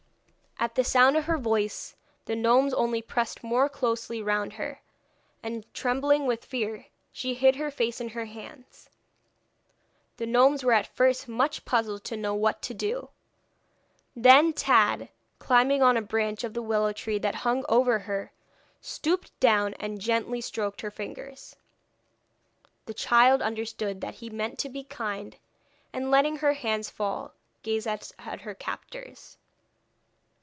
At the sound of her voice the gnomes only pressed more closely round her, and, trembling with fear, she hid her face in her hands. The gnomes were at first much puzzled to know what to do; then Tad, climbing on a branch of the willow tree that hung over her, stooped down, and gently stroked her fingers. The child understood that he meant to be kind, and letting her hands fall, gazed at her captors.